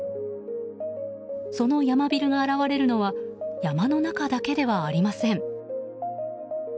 そのヤマビルが現れるのは山の中だけではありません。